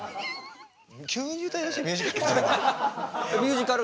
急に歌いだしてミュージカル。